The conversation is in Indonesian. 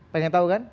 pengen tau kan